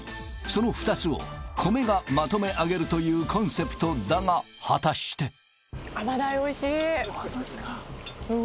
その２つを米がまとめ上げるというコンセプトだが果たしてアマダイおいしいああ